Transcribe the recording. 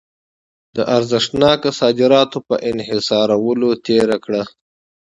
د ارزښتناکه صادراتو په انحصارولو تېره کړه.